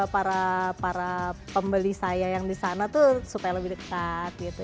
karena para pembeli saya yang disana tuh supaya lebih dekat gitu